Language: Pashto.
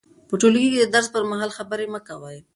په ټولګي کې د درس پر مهال خبرې مه کوئ.